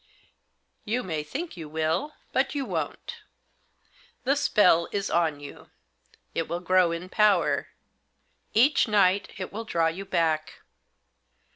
' You may think you will, but you won't The spell is on you. It will grow in power. Each night it will draw you back.